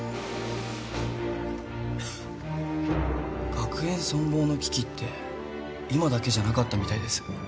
学園存亡の危機って今だけじゃなかったみたいです。